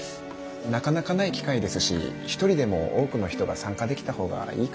なかなかない機会ですし一人でも多くの人が参加できたほうがいいかなと思って。